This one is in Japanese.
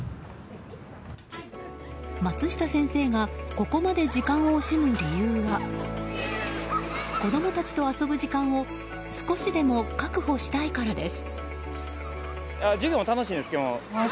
松下先生がここまで時間を惜しむ理由は子供たちと遊ぶ時間を少しでも確保したいからです。